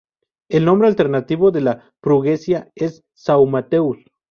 El nombre alternativo de la freguesia es São Mateus.